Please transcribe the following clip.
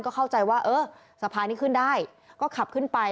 ก็เข้าใจว่าเออสะพานนี้ขึ้นได้ก็ขับขึ้นไป